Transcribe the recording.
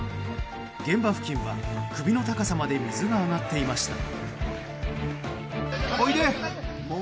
現場付近は、首の高さまで水が上がっていました。